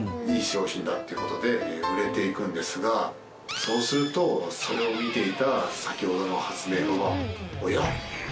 いい商品だっていう事で売れていくんですがそうするとそれを見ていた先ほどの発明家がおや？